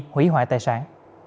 hủy hoại tài sản